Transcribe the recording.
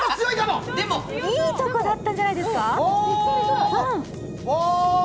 いいとこだったんじゃないですか。